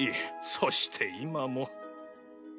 そして今も。